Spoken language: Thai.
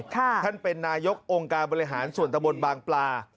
ท่านเป็นนายกองค์การบริหารส่วนตะบนบางปลา